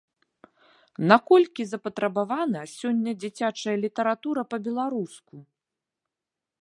Наколькі запатрабавана сёння дзіцячая літаратура па-беларуску?